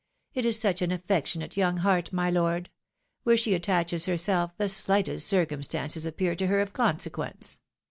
It is such an affectionate young heart, my lord ! Where she attaches herself, the slightest circumstances appear to her of consequence."